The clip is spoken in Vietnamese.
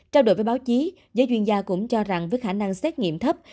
trao đổi với báo chí giới chuyên gia cũng cho rằng với khả năng xét nghiệm thấp